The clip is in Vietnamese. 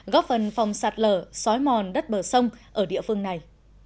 góp phần phòng sạt lở xói mòn đất bờ sông ở địa phương này